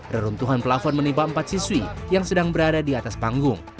reruntuhan pelafon menimpa empat siswi yang sedang berada di atas panggung